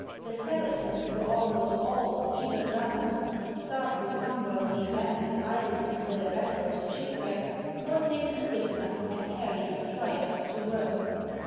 The Saracens were almost all either drowned, starved with hunger on the abandoned islands where their vessels were shipwrecked, or taken prisoners, and carried in triumph to Rome.